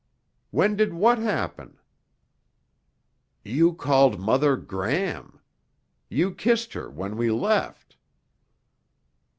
"When did what happen?" "You called Mother 'Gram.' You kissed her when we left."